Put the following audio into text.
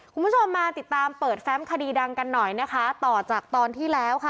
คุณผู้ชมมาติดตามเปิดแฟมคดีดังกันหน่อยนะคะต่อจากตอนที่แล้วค่ะ